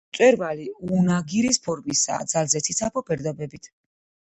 მწვერვალი უნაგირის ფორმისაა, ძალზე ციცაბო ფერდობებით.